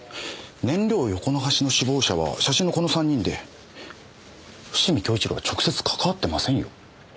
燃料横流しの首謀者は写真のこの３人で伏見亨一良は直接関わってませんよ。